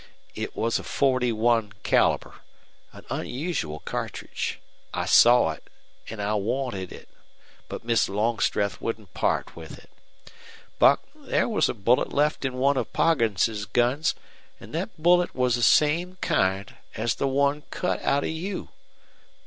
It was a forty one caliber, an unusual cartridge. I saw it, and I wanted it, but Miss Longstreth wouldn't part with it. Buck, there was a bullet left in one of Poggin's guns, and that bullet was the same kind as the one cut out of you.